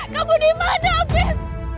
kamu dimana afif